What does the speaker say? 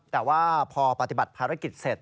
แต่ว่าพอปฏิบัติภารกิจเสร็จ